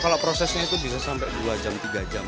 kalau prosesnya itu bisa sampai dua jam tiga jam